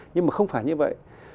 nhưng mà không phải như vậy